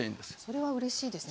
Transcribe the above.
それはうれしいですね。